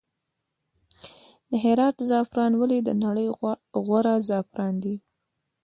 د هرات زعفران ولې د نړۍ غوره زعفران دي؟